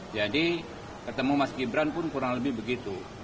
jadi ketemu mas gibran pun kurang lebih begitu